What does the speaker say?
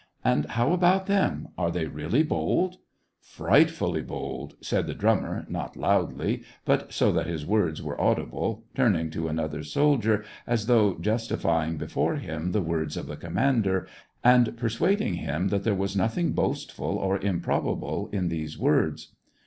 " And how about them — are they really bold ?"" Frightfully bold !" said the drummer, not loudly^ but so that his words were audible, turning to another soldier, as though justifying before him the words of the commander, and persuading him that there was nothing boastful or improbable in these words.